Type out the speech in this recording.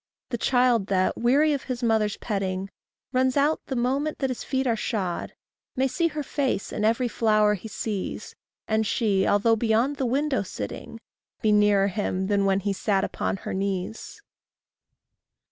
The child that, weary of his mother's petting, Runs out the moment that his feet are shod, May see her face in every flower he sees, And she, although beyond the window sitting, Be nearer him than when he sat upon her knees.